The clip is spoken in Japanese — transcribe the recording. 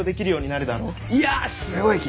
いやすごいき！